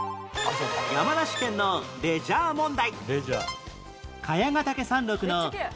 山梨県のレジャー問題